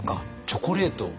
チョコレートを。